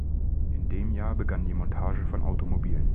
In dem Jahr begann die Montage von Automobilen.